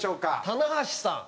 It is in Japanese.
棚橋さん。